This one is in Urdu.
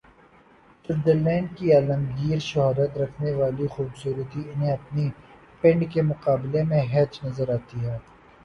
سوئٹزر لینڈ کی عالمگیر شہرت رکھنے والی خوب صورتی انہیں اپنے "پنڈ" کے مقابلے میں ہیچ نظر آتی ہے۔